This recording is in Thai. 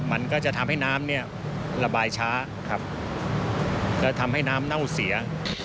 มันก็จะทำให้น้ำระบายช้าและทำให้น้ำเน่าเสีย